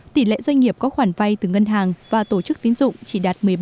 tỷ lệ doanh nghiệp có khoản vay từ ngân hàng và tổ chức tiến dụng chỉ đạt một mươi bảy tám